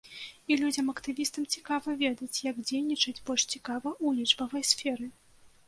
І людзям-актывістам цікава ведаць, як дзейнічаць больш цікава ў лічбавай сферы.